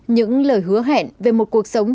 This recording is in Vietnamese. những lời hứa hẹn về một cuộc sống